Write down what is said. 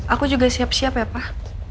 aku juga siap siap ya pak